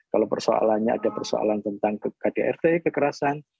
kalau persoalannya ada persoalan tentang kdrt kekerasan